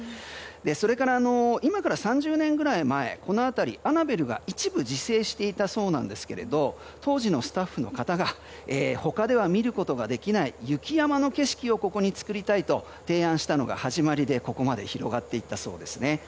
それから、今から３０年くらい前この辺り、アナベルが一部自生していたそうなんですが当時のスタッフの方が他では見ることができない雪山の景色をここに作りたいと提案したのが始まりで、ここまで広がっていったそうですね。